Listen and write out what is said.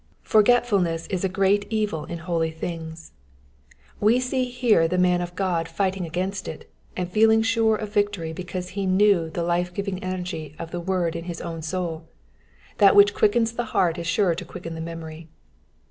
Forgetfulness is a great evil in holy things ; we see here the man of God figliting against it, and feeling sure of victory because he knew the life giving energy of the word in his own soul. That which quickens the heart is sure to quicken the memory.